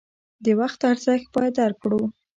د وخت ارزښت باید درک کړو.